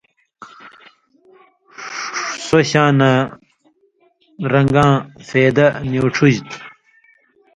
سو شاناں/ رنگاں فېدہ نی اُڇھژی تُھو